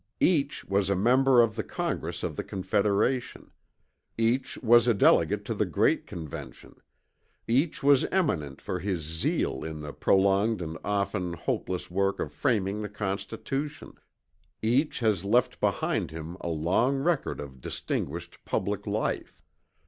Each was a member of the Congress of the Confederation; each was a delegate to the great Convention; each was eminent for his zeal in the prolonged and often hopeless work of framing the Constitution; each has left behind him a long record of distinguished public life.